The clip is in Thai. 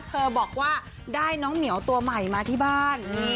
บอกว่าได้น้องเหมียวตัวใหม่มาที่บ้าน